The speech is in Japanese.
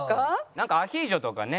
なんかアヒージョとかね